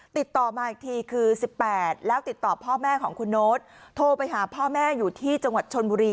ติดต่อมาอีกทีคือ๑๘แล้วติดต่อพ่อแม่ของคุณโน๊ตโทรไปหาพ่อแม่อยู่ที่จังหวัดชนบุรี